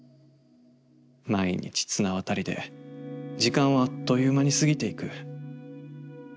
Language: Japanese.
毎日綱渡りで時間はあっという間に過ぎていく。